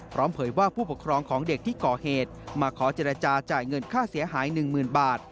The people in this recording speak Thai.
เผยว่าผู้ปกครองของเด็กที่ก่อเหตุมาขอเจรจาจ่ายเงินค่าเสียหาย๑๐๐๐บาท